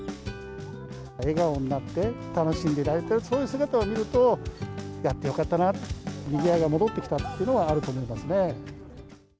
笑顔になって楽しんでいる、そういう姿を見ると、やってよかったな、にぎわいが戻ってきたというのはあると思いますね。